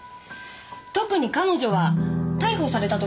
特に彼女は逮捕された